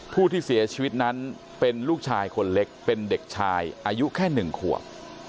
ผู้ที่เสียชีวิตนั้นเป็นลูกชายคนเล็กเป็นเด็กชายอายุแค่๑ขวบ